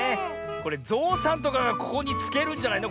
これぞうさんとかがここにつけるんじゃないの？